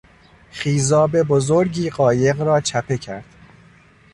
خیزاب بزرگی قایق را چپه کرد.